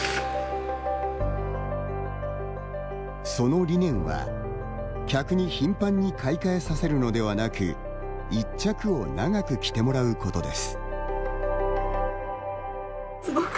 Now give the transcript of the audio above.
その理念は客に頻繁に買い替えさせるのではなく１着を、長く着てもらうことです。